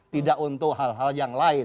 tidak untuk hal hal yang lain